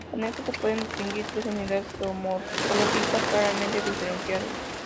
Con esto se pueden distinguir tres unidades geomorfológicas claramente diferenciadas.